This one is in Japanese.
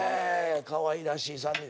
かわいらしい３人。